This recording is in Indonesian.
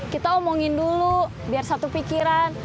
kita omongin dulu biar satu pikiran